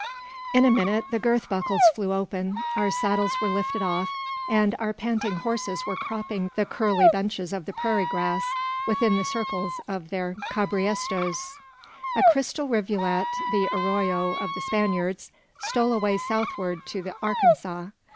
In a minute the girth buckles flew open, our saddles were lifted off, and our panting horses were cropping the curly bunches of the prairie grass, within the circles of their cabriestos. A crystal rivulet, the arroyo of the Spaniards, stole away southward to the Arkansas.